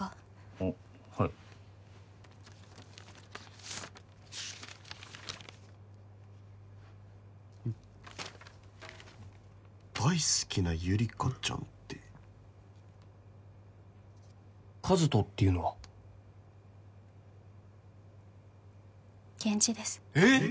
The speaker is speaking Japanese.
あっはい大好きなゆりかちゃんってかずとっていうのはゲンジですえっ？